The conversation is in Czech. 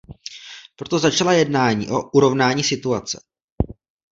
Proto začala jednání o urovnání situace.